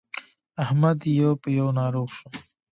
احمد يو په يو ناروغ شو.